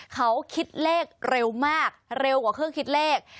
เขาคิดเลขเร็วมากเร็วกว่าเครื่องคิดเลข